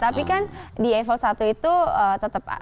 tapi kan di i fall i itu tetap